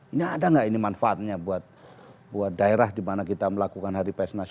ini ada nggak ini manfaatnya buat daerah di mana kita melakukan hari pers nasional